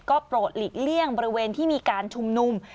ก็โปรดหลีกเลี่ยงบริเวณที่มีการชุมนุม